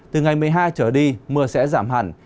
từ ngày một mươi hai trở đi mưa sẽ giảm hẳn